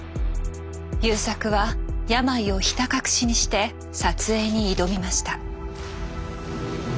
優作は病をひた隠しにして撮影に挑みました。